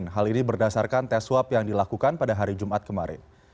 hal ini berdasarkan tes swab yang dilakukan pada hari jumat kemarin